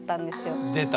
出た。